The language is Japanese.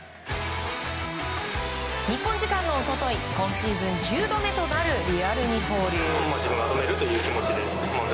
日本時間の一昨日今シーズン１０度目となるリアル二刀流。